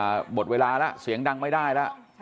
หมดเวลาล่ะเสียงดังไม่ได้ล่ะ